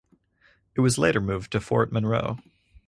It was later moved to Fort Monroe.